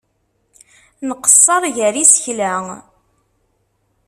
Nqeṣṣer gar yisekla.